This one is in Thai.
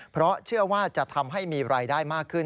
เพราะเชื่อว่าจะทำให้มีรายได้มากขึ้น